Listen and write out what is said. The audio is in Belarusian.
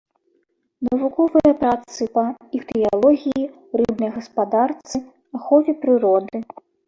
Навуковыя працы па іхтыялогіі, рыбнай гаспадарцы, ахове прыроды.